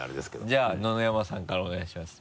じゃあ野々山さんからお願いします。